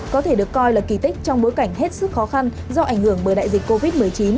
có thể được coi là kỳ tích trong bối cảnh hết sức khó khăn do ảnh hưởng bởi đại dịch covid một mươi chín